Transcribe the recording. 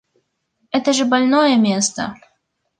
Это же больное место!